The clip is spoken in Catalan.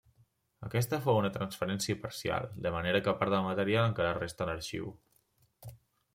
Aquesta fou una transferència parcial, de manera que part del material encara resta a l'Arxiu.